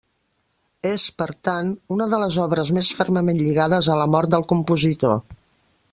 És, per tant, una de les obres més fermament lligades a la mort del compositor.